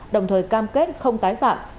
đồng thời cam kết không tái phạm